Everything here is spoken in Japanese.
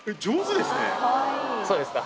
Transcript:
そうですか？